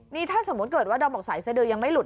นี่ถ้าสมมุติเกิดว่าดอมบอกสายสดือยังไม่หลุด